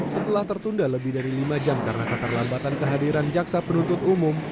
setelah tertunda lebih dari lima jam karena keterlambatan kehadiran jaksa penuntut umum